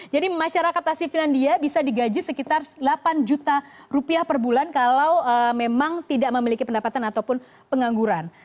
jadi masyarakat asli finlandia bisa digaji sekitar delapan juta rupiah per bulan kalau memang tidak memiliki pendapatan ataupun pengangguran